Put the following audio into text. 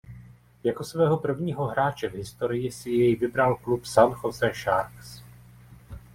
Jako svého prvního hráče v historii si jej vybral klub San Jose Sharks.